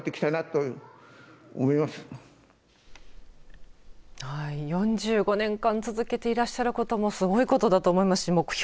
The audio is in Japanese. はい、４５年間続けていらっしゃることもすごいことだと思いますし目標